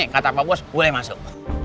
kata pak bos boleh masuk